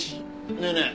ねえねえ。